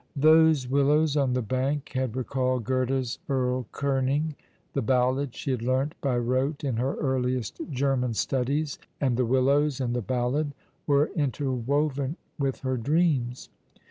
Those willows on the bank had recalled Goethe's "Erl Konig "— the ballad she had learnt by rote in her earliest German studies — and the willows and the ballad were inter woven with her dreams.